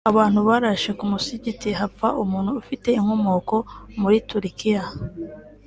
aho abantu barashe ku musigiti hagapfa umuntu ufite inkomoko muri Turukiya